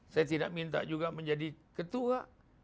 saya tidak minta juga menjadi ketua